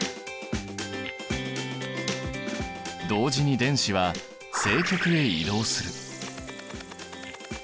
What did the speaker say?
同時に電子は正極へ移動する。